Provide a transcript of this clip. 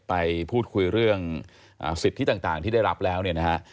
ไปพูดคุยเรื่องสิทธิต่างที่ได้รับแล้วเนี่ยนะฮะ